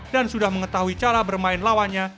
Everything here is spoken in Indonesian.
dan sudah mengetahui cara bermain lawannya